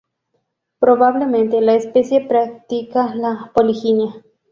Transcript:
Probablemente la especie practica la poliginia.